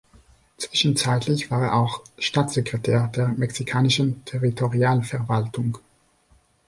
Zwischenzeitlich war er auch Staatssekretär der mexikanischen Territorialverwaltung.